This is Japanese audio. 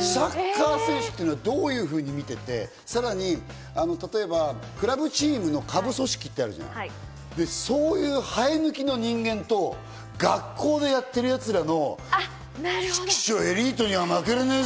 サッカー選手というのはどういうふうに見ていて、さらに、例えばクラブチームの下部組織ってあるじゃない、そういう生え抜きの人間と学校でやってるやつらの、ちきしょう、エリートには負けられねえぞ！